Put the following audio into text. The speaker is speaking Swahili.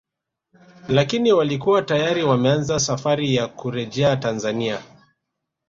Lakini walikuwa tayari wameanza safari ya kurejea Tanzania